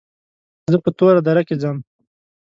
زه په توره دره کې ځم.